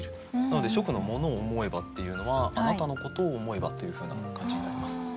なので初句の「もの思へば」っていうのは「あなたのことを思えば」というふうな感じになります。